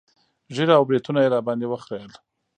ږيره او برېتونه يې راباندې وخرييل.